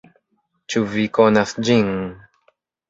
Ĉu vi konas ĝin?